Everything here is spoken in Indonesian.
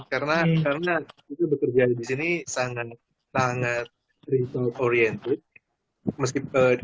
karena kita bekerja di sini sangat sangat ritual oriented